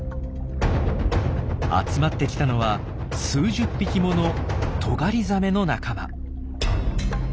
集まってきたのは数十匹ものトガリザメの仲間。